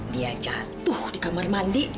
dia jatuh di kamar mandi